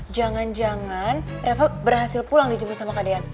jangan jangan reva berhasil pulang dijemput sama kadean